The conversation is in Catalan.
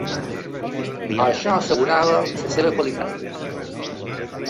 Això assegurava la seva qualitat.